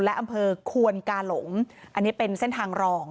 และอำเภอควนกาหลงอันนี้เป็นเส้นทางรอง